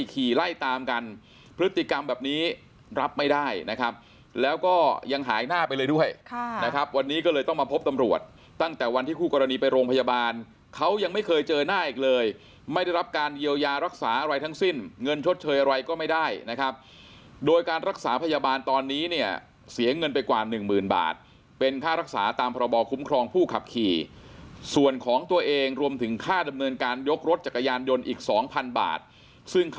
ขี่ไล่ตามกันพฤติกรรมแบบนี้รับไม่ได้นะครับแล้วก็ยังหายหน้าไปเลยด้วยค่ะนะครับวันนี้ก็เลยต้องมาพบตำรวจตั้งแต่วันที่คู่กรณีไปโรงพยาบาลเขายังไม่เคยเจอหน้าอีกเลยไม่ได้รับการเยียวยารักษาอะไรทั้งสิ้นเงินทดเชยอะไรก็ไม่ได้นะครับโดยการรักษาพยาบาลตอนนี้เนี่ยเสียเงินไปกว่าหนึ่งหมื่นบาทเป็น